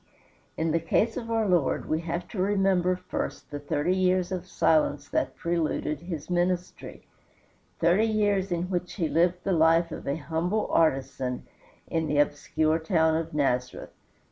In the case of our Lord we have to remember first the thirty years of silence that preluded his ministry; thirty years in which he lived the life of a humble artisan in the obscure town of Nazareth.